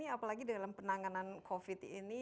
apalagi dalam penanganan covid ini